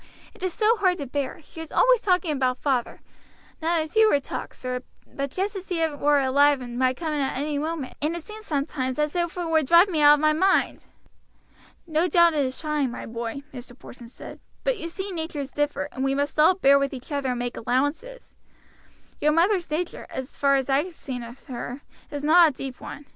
it is so hard to bear. She is always talking about father, not as you would talk, sir, but just as if he were alive and might come in at any moment, and it seems sometimes as if it would drive me out of my mind." "No doubt it is trying, my boy," Mr. Porson said; "but you see natures differ, and we must all bear with each other and make allowances. Your mother's nature, as far as I have seen of her, is not a deep one.